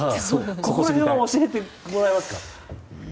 ここら辺を教えてもらえますか。